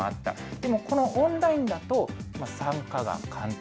でも、このオンラインだと、参加が簡単。